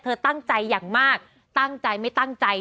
ตั้งใจอย่างมากตั้งใจไม่ตั้งใจ